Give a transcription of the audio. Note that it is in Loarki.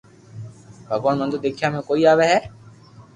ڀگوان مني تو ديکيا ۾ ڪوئي آوي ھي